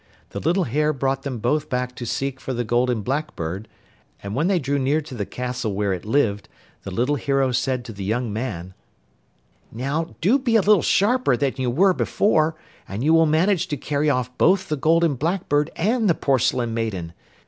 The little hare brought them both back to seek for the Golden Blackbird, and when they drew near to the castle where it lived the little hero said to the young man: 'Now, do be a little sharper than you were before, and you will manage to carry off both the Golden Blackbird and the Porcelain Maiden.